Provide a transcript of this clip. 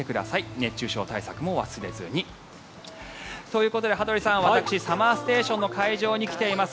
熱中症対策も忘れずに。ということで羽鳥さん、私ＳＵＭＭＥＲＳＴＡＴＩＯＮの会場に来ています。